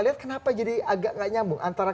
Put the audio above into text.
lihat kenapa jadi agak nggak nyambung antara